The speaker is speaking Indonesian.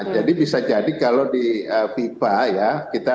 jadi bisa jadi kalau di fifa ya